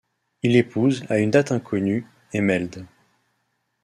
Il épouse à une date inconnue, Emelde.